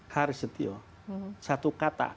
haris setio satu kata